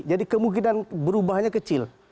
jadi kemungkinan berubahnya kecil